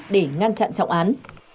để ngăn chặn trọng án